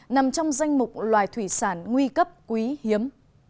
nằm trong danh mục loài thủy sản nguy cấp quý hiếm